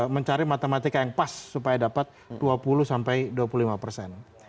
mencari matematika yang pas supaya dapat dua puluh sampai dua puluh lima persen